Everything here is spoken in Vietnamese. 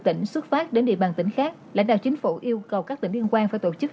tỉnh xuất phát đến địa bàn tỉnh khác lãnh đạo chính phủ yêu cầu các tỉnh liên quan phải tổ chức